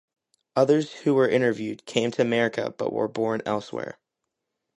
Others who were interviewed came to America but were born elsewhere.